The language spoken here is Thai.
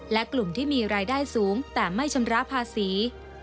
และกลุ่มที่มีรายได้สูงแต่ไม่ชำระภาษี